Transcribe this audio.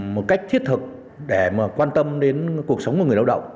một cách thiết thực để mà quan tâm đến cuộc sống của người lao động